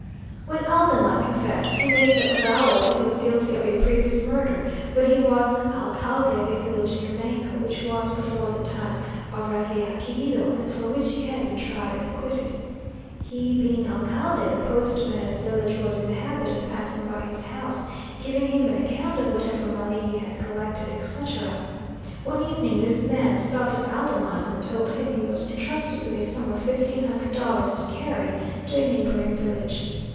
When Aldama confessed, he made the avowal that he was guilty of a previous murder, when he was alcalde of a village near Mexico, which was before the time of Revillagigedo, and for which he had been tried and acquitted. He being alcalde, the postman of the village was in the habit of passing by his house, giving him an account of whatever money he had collected, etc. One evening this man stopped at Aldama's, and told him he was intrusted with a sum of fifteen hundred dollars to carry to a neighbouring village.